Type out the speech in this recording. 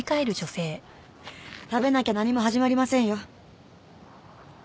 食べなきゃ何も始まりませんよ。